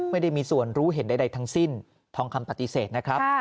ไม่ได้มีส่วนรู้เห็นใดทั้งสิ้นทองคำปฏิเสธนะครับ